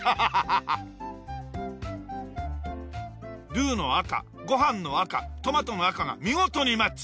ルーの赤ご飯の赤トマトの赤が見事にマッチ！